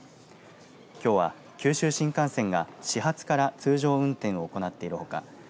きょうは、九州新幹線が始発から通常運転を行っているほか